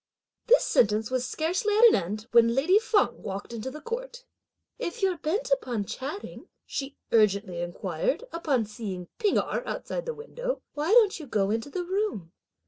This sentence was scarcely at an end, when lady Feng walked into the court. "If you're bent upon chatting," she urgently inquired, upon seeing P'ing Erh outside the window, "why don't you go into the room?